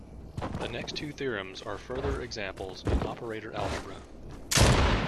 The next two theorems are further examples in operator algebra.